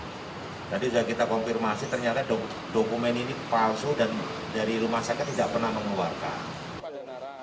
tadi sudah kita konfirmasi ternyata dokumen ini palsu dan dari rumah sakit tidak pernah mengeluarkan